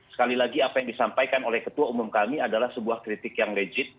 sekali lagi apa yang disampaikan oleh ketua umum kami adalah sebuah kritik yang legit